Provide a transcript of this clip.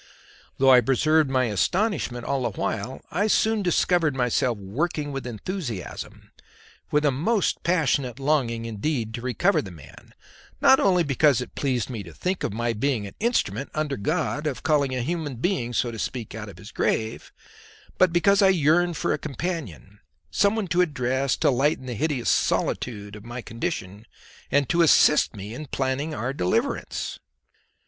Though I preserved my astonishment all this while, I soon discovered myself working with enthusiasm, with a most passionate longing indeed to recover the man, not only because it pleased me to think of my being an instrument under God of calling a human being, so to speak, out of his grave, but because I yearned for a companion, some one to address, to lighten the hideous solitude of my condition and to assist me in planning our deliverance.